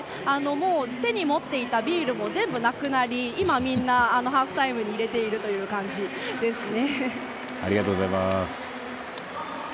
手に持っていたビールも全部なくなり今、みんなハーフタイムに入れている感じですね。